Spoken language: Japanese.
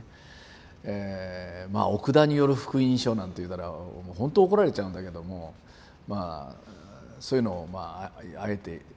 まあ奥田による福音書なんて言うたらほんと怒られちゃうんだけどもまあそういうのまああえて言うんですね